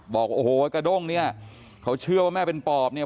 บอกโอ้โหกระด้งเนี่ยเขาเชื่อว่าแม่เป็นปอบเนี่ย